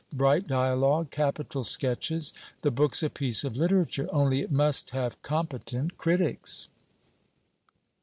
bright dialogue.. capital sketches. The book's a piece of literature. Only it must have competent critics!'